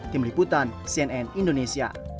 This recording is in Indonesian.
tim liputan cnn indonesia